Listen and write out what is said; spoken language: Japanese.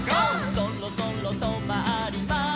「そろそろとまります」